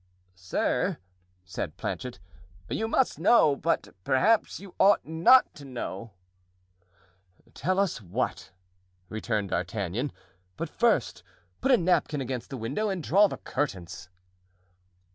"Sir," said Planchet, "you must know; but, perhaps you ought not to know——" "Tell us what," returned D'Artagnan, "but first put a napkin against the window and draw the curtains."